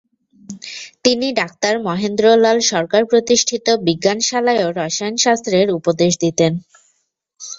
তিনি ডা.মহেন্দ্রলাল সরকার প্রতিষ্ঠিত বিজ্ঞানশালায়ও রসায়নশাস্ত্রের উপদেশ দিতেন।